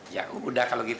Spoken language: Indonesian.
ya udah kalau gitu